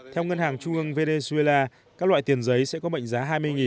theo ngân hàng trung ương venezuela các loại tiền giấy sẽ có mệnh giá hai mươi